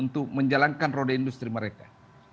untuk menjalankan roda industri mereka